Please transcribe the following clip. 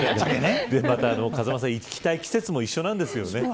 風間さん、行きたい季節も一緒なんですよね。